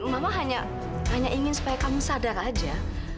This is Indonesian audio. mama hanya ingin supaya kamu sadar aja